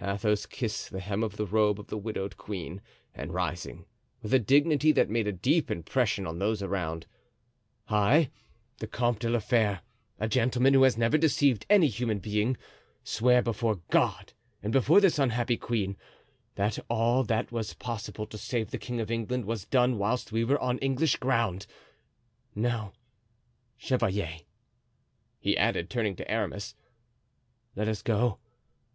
Athos kissed the hem of the robe of the widowed queen and rising, with a dignity that made a deep impression on those around: "I, the Comte de la Fere, a gentleman who has never deceived any human being, swear before God and before this unhappy queen, that all that was possible to save the king of England was done whilst we were on English ground. Now, chevalier," he added, turning to Aramis, "let us go.